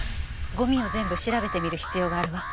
ゴミを全部調べてみる必要があるわ。